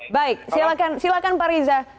baik silakan pak riza